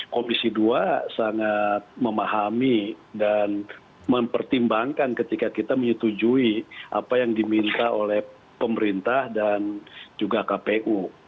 komisi dua sangat memahami dan mempertimbangkan ketika kita menyetujui apa yang diminta oleh pemerintah dan juga kpu